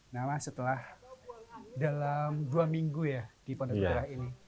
nah mas setelah dalam dua minggu ya di pondok merah ini